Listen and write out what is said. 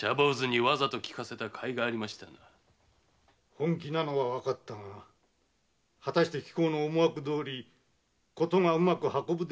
本気なのはわかったが果たして貴公の思惑どおり事がうまく運ぶであろうか。